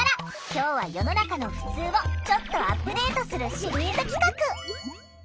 今日は世の中の「ふつう」をちょっとアップデートするシリーズ企画。